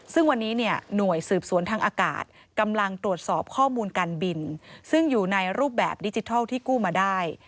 ซึ่งวันนี้เนี่ยหน่วยสืบสวนทางอากาศกำลังตรวจสอบข้อมูลการบินซึ่งอยู่ในรูปแบบดิจิทัลที่กู้มาได้